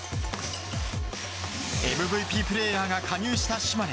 ＭＶＰプレーヤーが加入した島根。